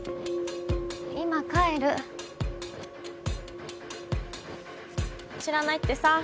今帰る知らないってさ。